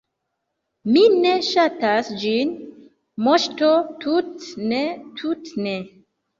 “Mi ne ŝatas ĝin, Moŝto, tut’ ne, tut’ ne!”